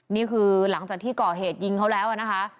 นี่คือหลังจากที่ก่อเหตุยิงเขาแล้วนะคะ